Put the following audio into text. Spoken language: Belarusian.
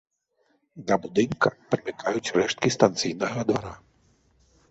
Да будынка прымыкаюць рэшткі станцыйнага двара.